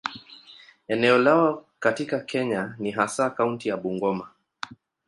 Eneo lao katika Kenya ni hasa kaunti ya Bungoma.